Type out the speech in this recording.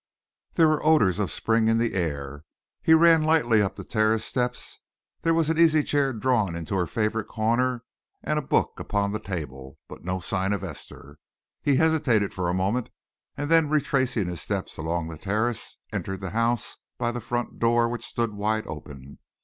There were odours of spring in the air. He ran lightly up the terrace steps. There was an easy chair drawn into her favourite corner, and a book upon the table, but no sign of Esther. He hesitated for a moment, and then, retracing his steps along the terrace, entered the house by the front door, which stood wide open.